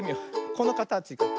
このかたちから。